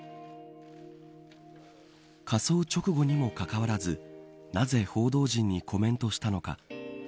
火葬直後にもかかわらずなぜ報道陣にコメントしたのか。